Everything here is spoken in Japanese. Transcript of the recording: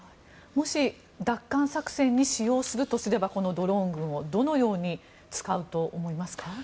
もし奪還作戦に使用するとすればこのドローン軍をどのように使うと思いますか。